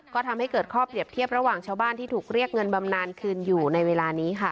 ก็ทำให้เกิดข้อเปรียบเทียบระหว่างชาวบ้านที่ถูกเรียกเงินบำนานคืนอยู่ในเวลานี้ค่ะ